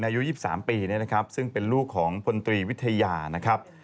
อายุ๒๓ปีนะครับซึ่งเป็นลูกของพลตรีวิทยานะครับ